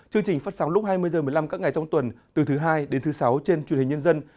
chương trình phát sóng lúc hai mươi h một mươi năm các ngày trong tuần từ thứ hai đến thứ sáu trên truyền hình nhân dân